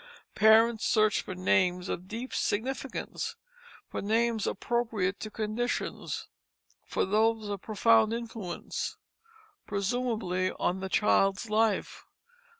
Parents searched for names of deep significance, for names appropriate to conditions, for those of profound influence presumably on the child's life.